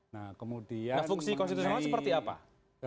nah fungsi konstitusionalnya seperti apa